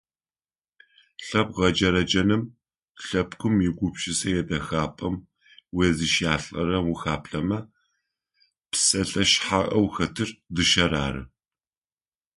Лъэпкъ гъэкӏэрэкӏэным, лъэпкъым игупшысэ идэхапӏэм уезыщалӏэрэм ухаплъэмэ псэлъэ шъхьаӏэу хэтыр - дышъэр ары.